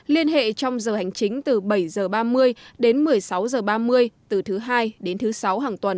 liên hệ trong giờ hành chính từ bảy h ba mươi đến một mươi sáu h ba mươi từ thứ hai đến thứ sáu hàng tuần